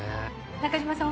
中島さん